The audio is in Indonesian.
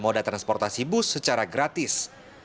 moda transportasi bus secara gratis